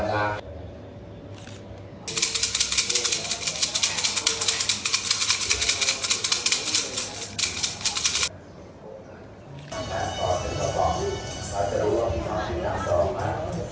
เมื่อ